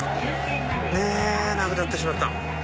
なくなってしまった。